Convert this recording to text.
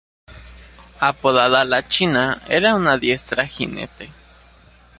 Apodada ""la China"", era una diestra jinete.